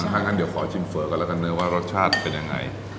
ถ้างั้นเดี๋ยวขอชิมเฝอก่อนแล้วกันเนอว่ารสชาติเป็นยังไง